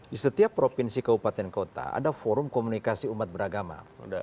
di setiap provinsi kabupaten kota ada forum komunikasi umat beragama